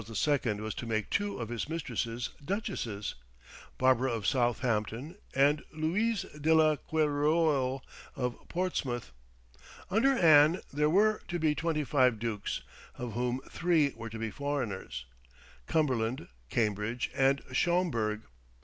was to make two of his mistresses duchesses Barbara of Southampton, and Louise de la Querouel of Portsmouth. Under Anne there were to be twenty five dukes, of whom three were to be foreigners, Cumberland, Cambridge, and Schomberg.